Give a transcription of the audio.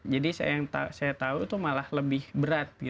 jadi yang saya tahu itu malah lebih berat